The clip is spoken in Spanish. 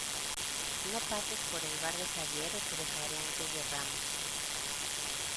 No pases por el bar de Javier o te dejaré antes de Ramos.